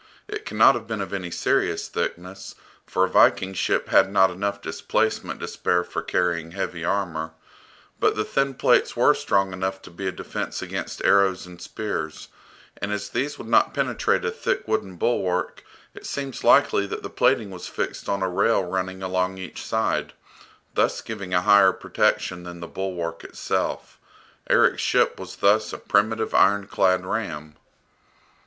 It cannot have been of any serious thickness, for a Viking ship had not enough displacement to spare for carrying heavy armour; but the thin plates were strong enough to be a defence against arrows and spears, and as these would not penetrate a thick wooden bulwark it seems likely that the plating was fixed on a rail running along each side, thus giving a higher protection than the bulwark itself. Erik's ship was thus a primitive ironclad ram.